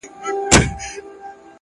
پرمختګ له داخلي بدلون شروع کېږي!.